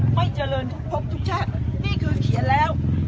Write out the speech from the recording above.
ไม่เจริญทุกพบทุกชาตินี่คือเขียนแล้ว